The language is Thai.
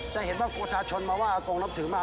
แต่เห็นว่าประชาชนมาว่าอากรงนับถือมา